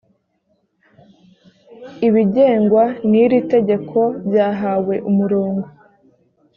ibigengwa n’iri tegeko byahawe umurongo